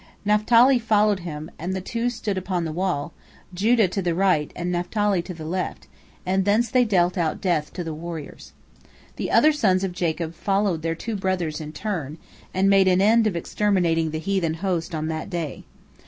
Naphtali followed him, and the two stood upon the wall, Judah to the right and Naphtali to the left, and thence they dealt out death to the warriors. The other sons of Jacob followed their two brothers in turn, and made an end of exterminating the heathen host on that day.